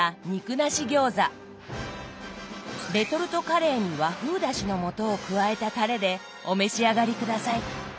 レトルトカレーに和風だしの素を加えたたれでお召し上がり下さい。